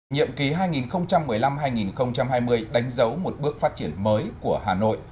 nhiệm ký hai nghìn một mươi năm hai nghìn hai mươi đánh dấu một bước phát triển mới của hà nội